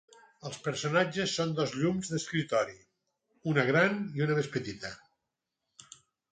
Els personatges són dos llums d’escriptori, una gran i una més petita.